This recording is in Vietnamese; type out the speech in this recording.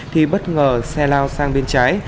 thì bất ngờ xe lao sang bên trái